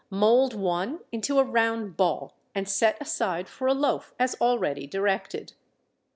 Mould one into a round ball, and set aside for a loaf as already directed.